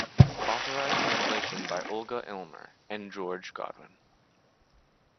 Authorized translation by Olga Illmer and George Godwin.